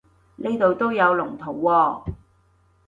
呢度都有龍圖喎